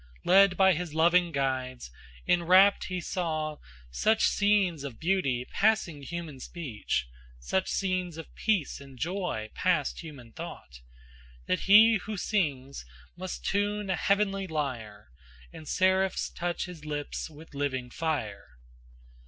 Led by his loving guides, enwrapt he saw Such scenes of beauty passing human speech, Such scenes of peace and joy past human thought, That he who sings must tune a heavenly lyre And seraphs touch his lips with living fire.